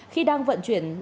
khi đang vận chuyển